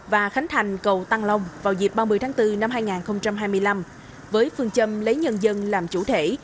và khánh thành cầu tăng long vào dịp ba mươi tháng bốn năm hai nghìn hai mươi năm với phương châm lấy nhân dân làm chủ thể